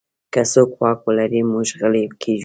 که څوک واک ولري، موږ غلی کېږو.